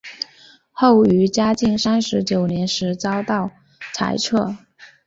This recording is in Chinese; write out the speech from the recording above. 后于嘉靖三十九年时遭到裁撤。